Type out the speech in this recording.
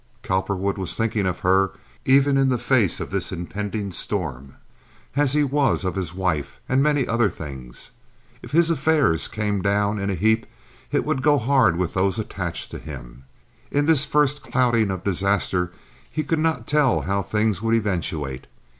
Cowperwood was thinking of her, even in the face of this impending storm, as he was of his wife, and many other things. If his affairs came down in a heap it would go hard with those attached to him. In this first clouding of disaster, he could not tell how things would eventuate.